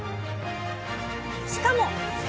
しかもえ？